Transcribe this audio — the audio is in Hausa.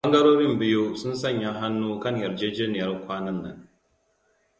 Ɓangarorin biyu, sun sanya hannu kan yarjejeniyar kwanan nan.